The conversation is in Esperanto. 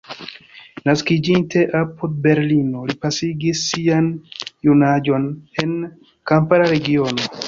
Naskiĝinte apud Berlino, li pasigis sian junaĝon en kampara regiono.